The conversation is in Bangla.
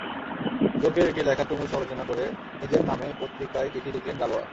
অধ্যক্ষের একটি লেখার তুমুল সমালোচনা করে নিজের নামে পত্রিকায় চিঠি লিখলেন গালোয়া।